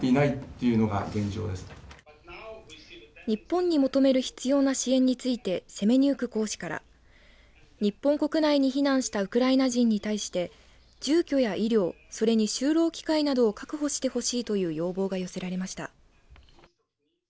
日本に求める必要な支援についてセメニューク公使から日本国内に避難したウクライナ人に対して住居や医療それに就労機会などを確保してほしいという要望が寄せられました。